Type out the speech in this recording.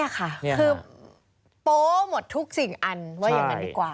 คือโป๊หมดทุกสิ่งอันว่าอย่างนั้นดีกว่า